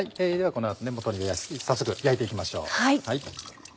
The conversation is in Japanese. この後鶏を早速焼いていきましょう。